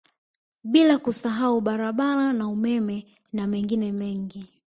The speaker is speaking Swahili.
Bila kusahau barabara na umeme na mengine mengi